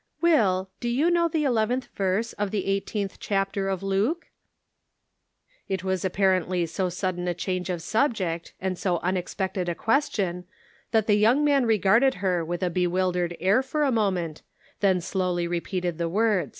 " Will, do you know the eleventh verse of the eighteenth chapter of Luke ?" It was apparently so sudden a change of subject and so unexpected a question that the young man regarded her with a bewildered air for a moment, then slowly repeated the words.